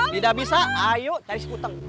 gak bisa ayo cari sekutang